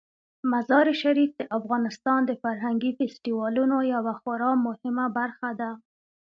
مزارشریف د افغانستان د فرهنګي فستیوالونو یوه خورا مهمه برخه ده.